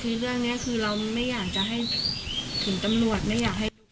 ถึงตำรวจไม่อยากให้ลูก